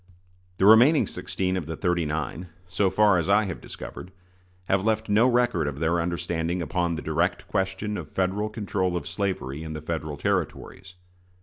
The remaining sixteen of the "thirty nine," so far as I have discovered, have left no record of their understanding upon the direct question of Federal control of slavery in the Federal Territories.